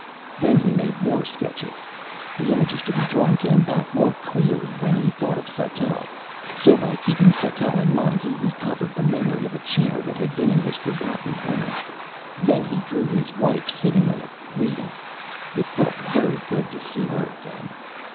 Then he made more sketches. The images to be drawn came back more clearly when he thought of Sattell, so by keeping Sattell in mind he recovered the memory of a chair that had been in his forgotten home. Then he drew his wife sitting in it, reading. It felt very good to see her again.